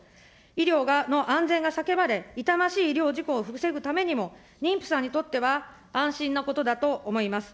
医療の安全が叫ばれ、痛ましい医療事故を防ぐためにも、妊婦さんにとっては安心なことだと思います。